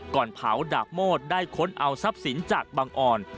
ก่อนเผาดาบโมดได้ค้นเอาทรัพย์สินจากบังอ่อน